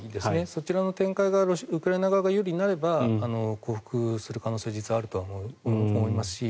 そちらの展開がウクライナ側が優位になれば降伏する可能性は実はあると思いますし